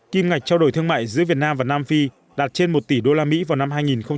kim ngạch trao đổi thương mại giữa việt nam và nam phi đạt trên một tỷ usd vào năm hai nghìn một mươi năm